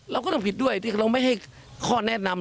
เราก็ต้องผิดด้วยที่เราไม่ให้ข้อแนะนำ